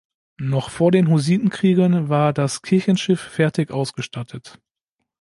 Noch vor den Hussitenkriegen war das Kirchenschiff fertig ausgestattet.